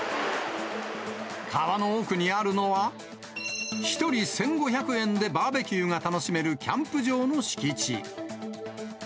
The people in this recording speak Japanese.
川の奥にあるのは、１人１５００円でバーベキューが楽しめるキャンプ場の敷地。